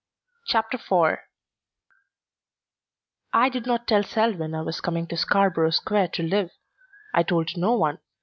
CHAPTER IV I did not tell Selwyn I was coming to Scarborough Square to live. I told no one.